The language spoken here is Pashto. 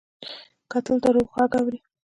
کتل د روح غږ اوري